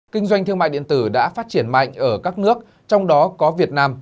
kinh doanh thương mại điện tử đã phát triển mạnh ở các nước trong đó có việt nam